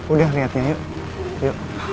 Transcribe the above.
udah liatnya yuk